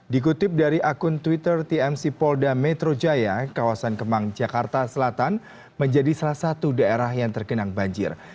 dikutip dari akun twitter tmc polda metro jaya kawasan kemang jakarta selatan menjadi salah satu daerah yang tergenang banjir